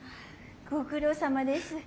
ご苦労さまです。